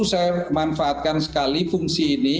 saya manfaatkan sekali fungsi ini